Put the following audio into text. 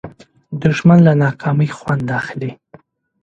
دښمن له ناکامۍ خوند اخلي